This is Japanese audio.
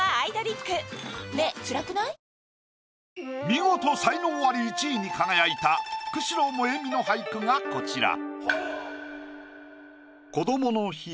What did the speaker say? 見事才能アリ１位に輝いた久代萌美の俳句がこちら。